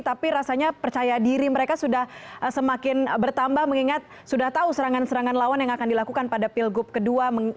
tapi rasanya percaya diri mereka sudah semakin bertambah mengingat sudah tahu serangan serangan lawan yang akan dilakukan pada pilgub kedua